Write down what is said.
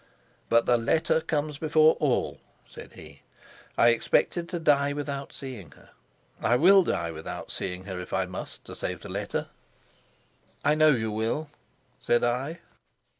"But the letter comes before all," said he. "I expected to die without seeing her; I will die without seeing her, if I must, to save the letter." "I know you will," said I.